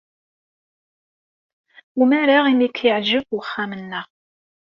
Umareɣ imi ay k-yeɛjeb uxxam-nneɣ.